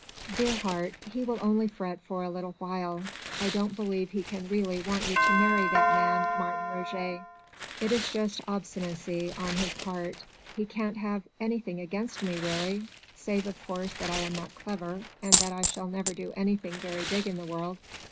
"Dear heart, he will only fret for a little while. I don't believe he can really want you to marry that man Martin Roget. It is just obstinacy on his part. He can't have anything against me really ... save of course that I am not clever and that I shall never do anything very big in the world